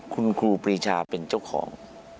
คุณครูปรีชาเป็นเจ้าของ